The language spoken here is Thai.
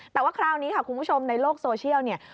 แต่ว่าคราวนี้คุณผู้ชมในโลกโซเชียล